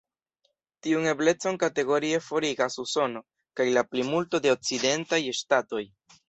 Tiun eblecon kategorie forigas Usono kaj la plimulto de okcidentaj ŝtatoj.